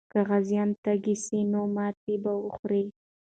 که غازیان تږي سي، نو ماتې به وخوري.